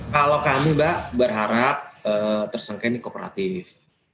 kalau kami mbak berharap tersangka ini kooperatif